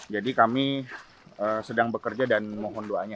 jadi kami sedang bekerja dan mohon doanya